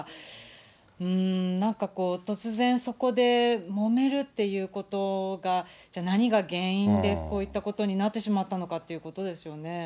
なんかこう、突然、そこでもめるっていうことが、じゃあ、何が原因でこういったことになってしまったのかってことですよね。